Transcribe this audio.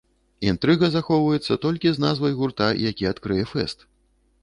Інтрыга захоўваецца толькі з назвай гурта, які адкрые фэст.